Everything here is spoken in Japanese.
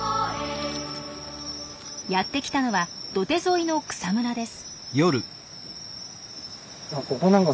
やって来たのは土手沿いの草むらです。